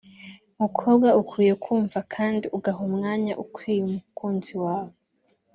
mukobwa ukwiye kumva kandi ugaha umwanya ukwiye umukunzi wawe